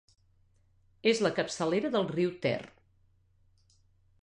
És la capçalera del riu Ter.